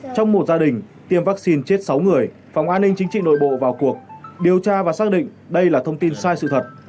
trong một gia đình tiêm vaccine chết sáu người phòng an ninh chính trị nội bộ vào cuộc điều tra và xác định đây là thông tin sai sự thật